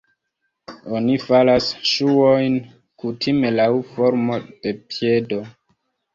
Oni faras ŝuojn kutime laŭ formo de piedo.